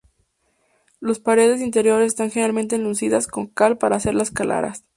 Las paredes interiores están generalmente enlucidas con cal para hacerlas claras.